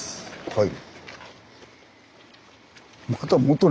はい。